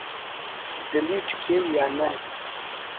ڈیلیٹ کیو یا نہ